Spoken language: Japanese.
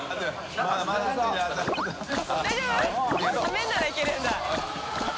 麺ならいけるんだ。